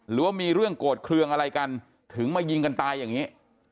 หรือว่ามีเรื่องโกรธเครื่องอะไรกันถึงมายิงกันตายอย่างนี้